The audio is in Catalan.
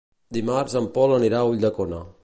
Dimarts en Pol anirà a Ulldecona.